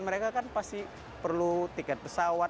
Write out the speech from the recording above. mereka kan pasti perlu tiket pesawat